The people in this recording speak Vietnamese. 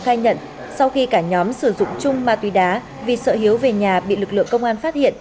khai nhận sau khi cả nhóm sử dụng chung ma túy đá vì sợ hiếu về nhà bị lực lượng công an phát hiện